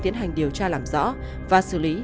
tiến hành điều tra làm rõ và xử lý